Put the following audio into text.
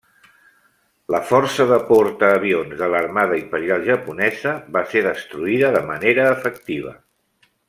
La força de portaavions de l'Armada Imperial Japonesa va ser destruïda de manera efectiva.